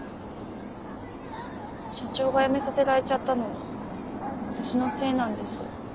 社長が辞めさせられちゃったの私のせいなんです。